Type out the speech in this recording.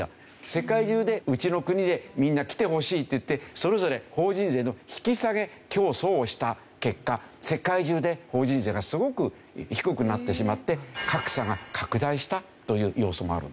世界中でうちの国へみんな来てほしいっていってそれぞれ法人税の引き下げ競争をした結果世界中で法人税がすごく低くなってしまって格差が拡大したという要素もあるんですね。